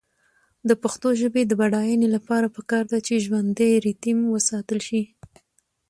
د پښتو ژبې د بډاینې لپاره پکار ده چې ژوندی ریتم وساتل شي.